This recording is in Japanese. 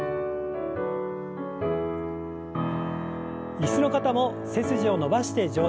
椅子の方も背筋を伸ばして上体を前に。